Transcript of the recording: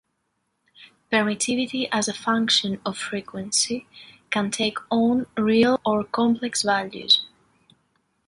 Permittivity as a function of frequency can take on real or complex values.